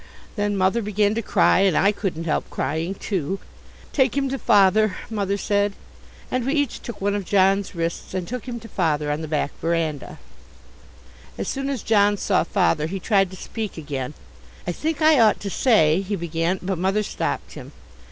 Then Mother began to cry and I couldn't help crying too. "Take him to Father," Mother said, and we each took one of John's wrists and took him to Father on the back verandah. As soon as John saw Father he tried to speak again "I think I ought to say," he began, but Mother stopped him.